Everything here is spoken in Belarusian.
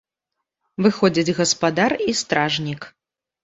Выходзяць гаспадар і стражнік.